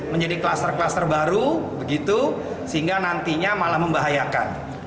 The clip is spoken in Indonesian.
menjadi kluster kluster baru begitu sehingga nantinya malah membahayakan